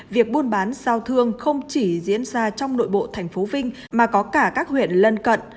việc buôn bán giao thương không chỉ diễn ra trong nội bộ thành phố vinh mà có cả các huyện lân cận